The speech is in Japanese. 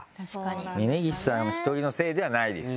峯岸さん１人のせいではないですよ。